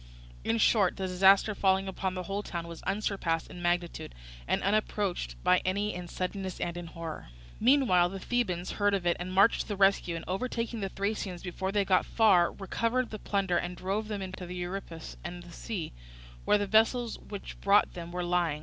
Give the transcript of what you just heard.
In short, the disaster falling upon the whole town was unsurpassed in magnitude, and unapproached by any in suddenness and in horror. Meanwhile the Thebans heard of it and marched to the rescue, and overtaking the Thracians before they had gone far, recovered the plunder and drove them in panic to the Euripus and the sea, where the vessels which brought them were lying.